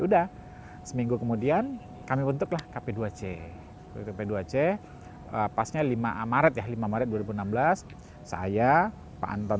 udah seminggu kemudian kami bentuklah kp dua cp dua c pasnya lima maret ya lima maret dua ribu enam belas saya pak anton